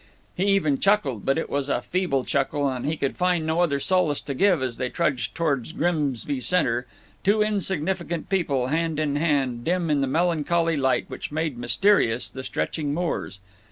He even chuckled, but it was a feeble chuckle, and he could find no other solace to give as they trudged toward Grimsby Center, two insignificant people, hand in hand, dim in the melancholy light which made mysterious the stretching moors.